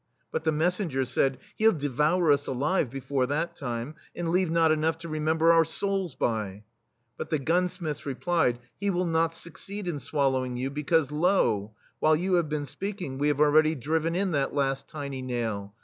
But the messengers said: "He'll devour us alive before that time, and leave not enough to remember our souls by." But the gunsmiths replied : "He will not succeed in swallowing you, because, lo ! while you have been speaking we have already driven in that last tiny nail.